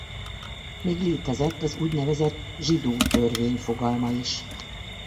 Még létezett az úgynevezett zsidó törvény fogalma is.